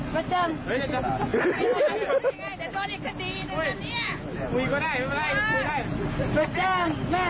คือก็โทรเรียกแม่มาเคลียร์เฉย